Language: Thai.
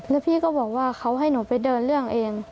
แล้วพี่ก็บอกว่าเขาให้หนูไปเดินเรื่องเอง